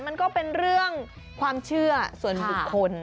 มันก็เป็นเรื่องความเชื่อส่วนบุคคล